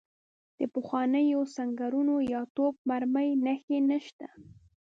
د پخوانیو سنګرونو یا توپ مرمۍ نښې نشته.